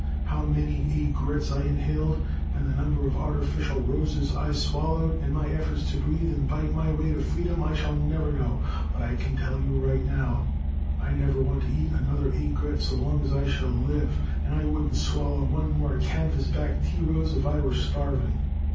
How many aigrettes I inhaled, and the number of artificial roses I swallowed, in my efforts to breathe and bite my way to freedom I shall never know, but I can tell you right now, I never want to eat another aigrette so long as I shall live, and I wouldn't swallow one more canvas backed tea rose if I were starving.